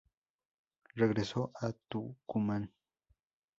Regresó a Tucumán.